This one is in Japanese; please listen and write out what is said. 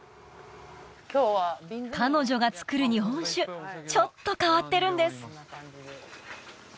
彼女が造る日本酒ちょっと変わってるんです